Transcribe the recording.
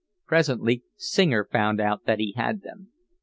Presently Singer found out that he had them.